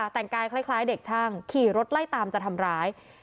แต่งกายคล้ายเด็กช่างขี่รถไล่ตามจะทำร้าย